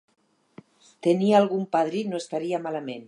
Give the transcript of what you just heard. Tenir algun padrí no estaria malament.